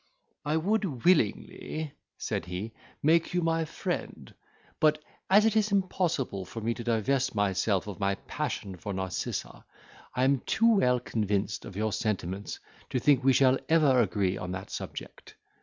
"I would willingly," said he, "make you my friend; but, as it is impossible for me to divest myself of my passion for Narcissa, I am too well convinced of your sentiments, to think we shall ever agree on that subject.